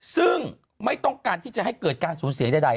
ซึ่งไม่ต้องการที่จะให้เกิดการสูญเสียใด